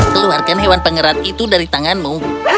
keluarkan hewan pengerat itu dari tanganmu